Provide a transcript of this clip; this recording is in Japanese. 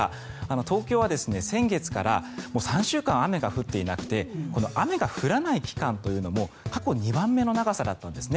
東京は先月から３週間雨が降っていなくてこの雨が降らない期間というのも過去２番目の長さだったんですね。